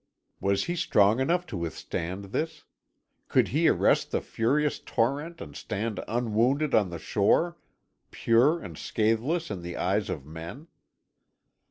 Was he strong enough to withstand this? Could he arrest the furious torrent and stand unwounded on the shore, pure and scatheless in the eyes of men?